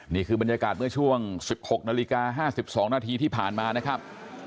นี่คือบรรยากาศเมื่อช่วงสิบหกนาฬิกาห้าสิบสองนาทีที่ผ่านมานะครับ